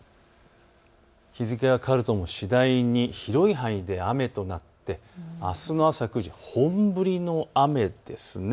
日付が変わると次第に広い範囲で雨となってあすの朝９時、本降りの雨です。